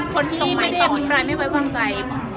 คนที่ไม่ได้อภิปรายไม่ไว้วางใจ